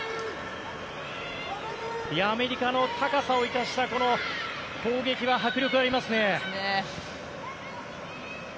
アメリカの高さを生かしたこの攻撃は迫力がありますね。